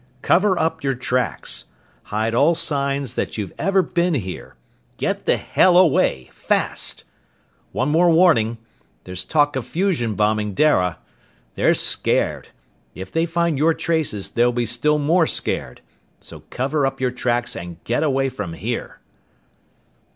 Cover up your tracks! Hide all signs that you've ever been here! Get the hell away, fast! One more warning! There's talk of fusion bombing Dara. They're scared! If they find your traces, they'll be still more scared! So cover up your tracks and get away from here!"